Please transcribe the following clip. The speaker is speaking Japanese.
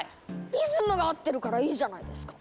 リズムが合ってるからいいじゃないですか！